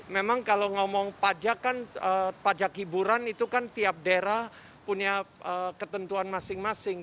memang kalau ngomong pajak kan pajak hiburan itu kan tiap daerah punya ketentuan masing masing